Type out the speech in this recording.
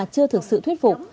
chưa thực sự thuyết phục